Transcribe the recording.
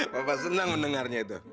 kau senang mendengarnya itu